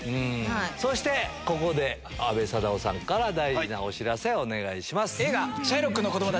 そしてここで阿部サダヲさんから大事なお知らせお願いします。